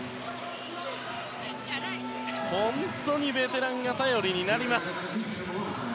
本当にベテランが頼りになります。